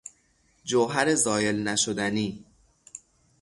جوهر زایل نشدنی